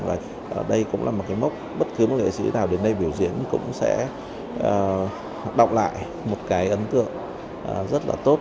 và đây cũng là một cái mốc bất cứ một nghệ sĩ nào đến đây biểu diễn cũng sẽ động lại một cái ấn tượng rất là tốt